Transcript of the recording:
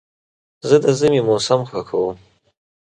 زه د ژمي موسم خوښوم.